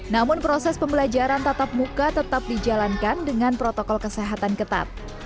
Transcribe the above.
namun proses pembelajaran tatap muka tetap dijalankan dengan protokol kesehatan ketat